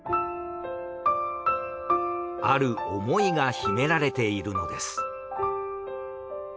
ある思いが秘められているのです。